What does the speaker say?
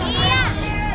jauh jauh pak